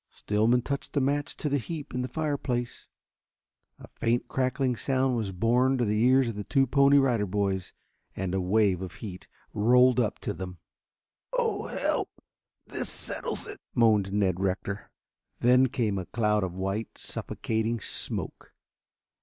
Stillman touched a match to the heap in the fireplace. A faint crackling sound was borne to the ears of the two Pony Rider Boys, and a wave of heat rolled up to them. "Oh, help! This settles it!" moaned Ned Rector. Then came a cloud of white, suffocating smoke.